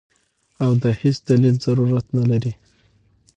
او د هېڅ دليل ضرورت نۀ لري -